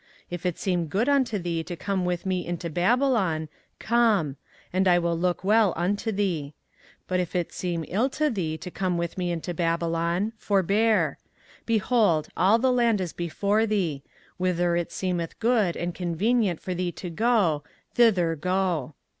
If it seem good unto thee to come with me into Babylon, come; and I will look well unto thee: but if it seem ill unto thee to come with me into Babylon, forbear: behold, all the land is before thee: whither it seemeth good and convenient for thee to go, thither go.